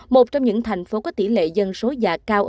một trong những thành phố có tỷ lệ dân số già cao